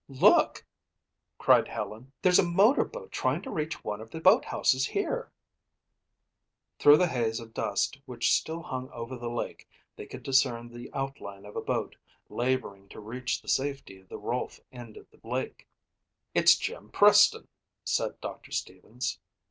"Look!" cried Helen. "There's a motorboat trying to reach one of the boathouses here!" Through the haze of dust which still hung over the lake they could discern the outline of a boat, laboring to reach the safety of the Rolfe end of the lake. "It's Jim Preston," said Doctor Stevens.